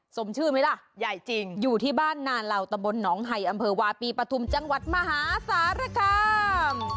สมชื่อมั้ยล่ะอยู่ที่บ้านนานเหล่าตะบนน้องให้อำเภอวาปีปฐุมจังหวัดมหาสารคาม